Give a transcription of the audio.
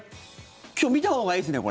今日は見たほうがいいですよね